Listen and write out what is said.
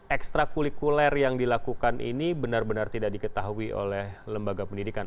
ekstra kulikuler yang dilakukan ini benar benar tidak diketahui oleh lembaga pendidikan